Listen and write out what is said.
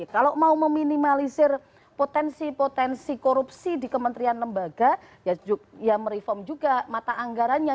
kalau mau meminimalisir potensi potensi korupsi di kementerian lembaga ya mereform juga mata anggarannya